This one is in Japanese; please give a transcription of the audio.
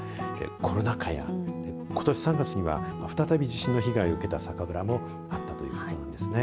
コロナ禍やことし３月には再び地震の被害を受けた酒蔵もあったということなんですね。